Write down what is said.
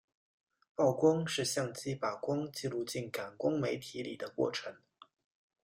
曝光是相机把光记录进感光媒体里的过程。